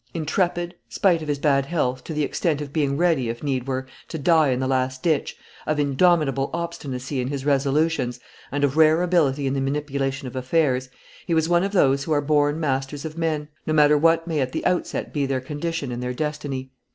Intrepid, spite of his bad health, to the extent of being ready, if need were, to die in the last ditch, of indomitable obstinacy in his resolutions, and of rare ability in the manipulation of affairs, he was one of those who are born masters of men, no matter what may at the outset be their condition and their destiny.